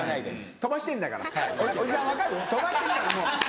飛ばしてんだからもう。